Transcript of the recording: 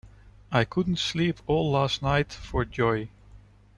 I couldn’t sleep all last night for joy.